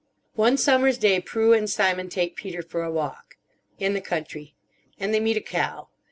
"One summer's day Prue and Simon take Peter for a walk. In the country. And they meet a cow.